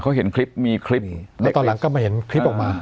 เขาเห็นคลิปมีคลิปแล้วตอนหลังก็มาเห็นคลิปออกมา